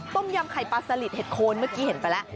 ต้มยำไข่ปลาสลิดเห็ดโคนเมื่อกี้เห็นไปแล้ว